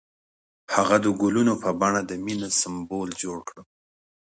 هغه د ګلونه په بڼه د مینې سمبول جوړ کړ.